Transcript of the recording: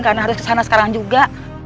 karena harus kesana sekarang juga